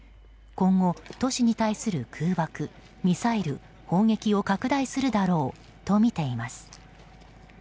今後、都市に対する空爆、ミサイル、砲撃を拡大するだろうとみています。